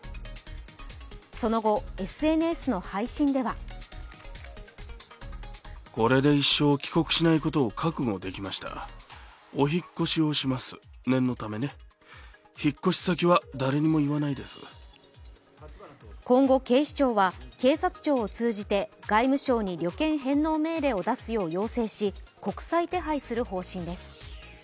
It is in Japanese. その後、ＳＮＳの配信では今後、警視庁は警察庁を通じて外務省に旅券返納命令を出すよう要請し、国際手配する方針です。